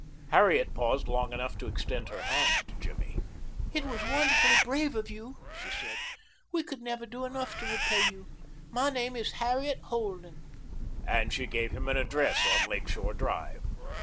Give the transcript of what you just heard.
Harriet paused long enough to extend her hand to Jimmy. "It was wonderfully brave of you," she said. "We could never do enough to repay you. My name is Harriet Holden," and she gave him an address on Lake Shore Drive.